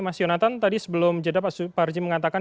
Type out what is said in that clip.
mas yonatan tadi sebelum jeda pak suparji mengatakan